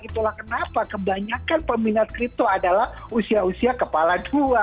itulah kenapa kebanyakan peminat kripto adalah usia usia kepala dua